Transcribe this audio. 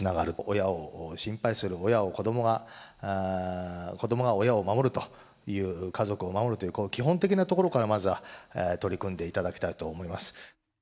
親を心配する、親を子どもが、子どもが親を守るという、家族を守るという、この基本的なところからまずは取り組んでいただきたいと思います。